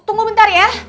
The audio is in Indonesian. tunggu bentar ya